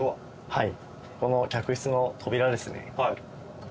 はい。